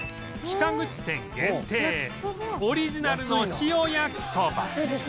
北口店限定オリジナルの塩焼きそば